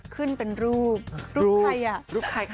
ขึ้นเป็นรูปรูปใครอ่ะรูปใครคะ